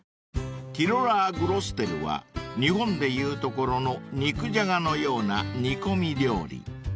［ティロラー・グロステルは日本でいうところの肉じゃがのような煮込み料理］